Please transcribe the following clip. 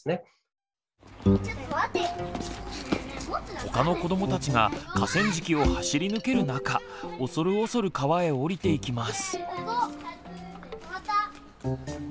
他の子どもたちが河川敷を走り抜ける中恐る恐る川へ下りていきます。